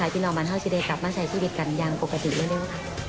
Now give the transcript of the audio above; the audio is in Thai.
พี่น้องบรรเทาจะได้กลับมาใช้ชีวิตกันอย่างปกติเร็วครับ